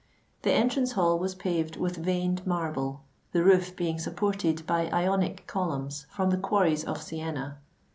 The entrance hall was paved with veined marble, the roof being supported by Ionic columns from the quarries of Sienna.